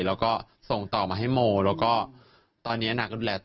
แล้วก็ส่งมาให้โมล์และตอนนี้แอนาดูแลต่อ